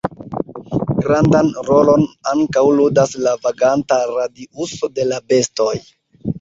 Grandan rolon ankaŭ ludas la vaganta radiuso de la bestoj.